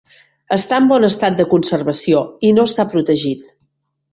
Està en bon estat de conservació i no està protegit.